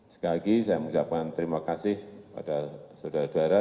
sekali lagi saya mengucapkan terima kasih pada saudara saudara